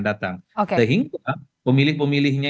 datang sehingga pemilih pemilihnya